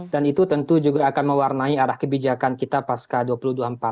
dan itu tentu juga akan mewarnai arah kebijakan kita pas ke dua ribu dua puluh empat